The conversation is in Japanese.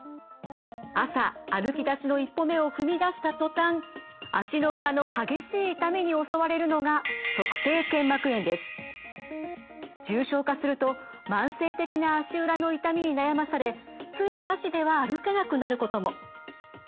朝歩きだしの１歩目を踏み出した途端足の裏の激しい痛みに襲われるのが重症化すると慢性的な足裏の痛みに悩まされつえなしでは歩けなくなることも。